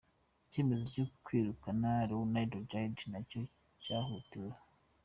Icyemezo cyo kwirukana Leonardo Jardim nacyo cyahutiyeho".